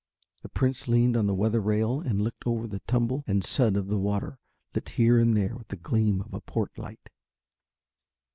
The Prince leaned on the weather rail and looked over at the tumble and sud of the water lit here and there with the gleam of a port light.